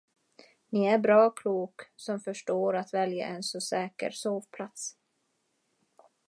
Ni är bra klok, som förstår att välja en så säker sovplats.